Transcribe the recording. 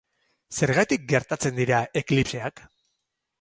Zergatik gertatzen dira eklipseak?